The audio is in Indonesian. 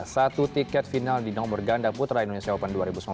satu tiket final di nomor ganda putra indonesia open dua ribu sembilan belas